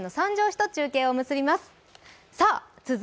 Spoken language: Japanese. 市と中継を結びます。